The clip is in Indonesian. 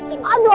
iya nanti jatuh